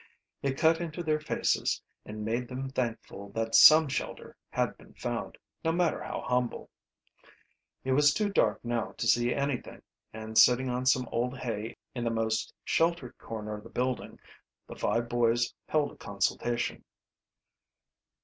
It cut into their faces and made them thankful that some shelter had been found, no matter how humble. It was too dark now to see anything, and sitting on some old hay in the most sheltered corner of the building the five boys held a consultation.